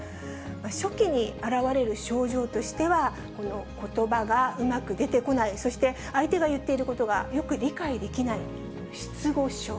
初期に現れる症状としては、このことばがうまく出てこない、そして、相手が言っていることがよく理解できない、失語症。